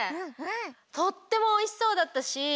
とってもおいしそうだったし。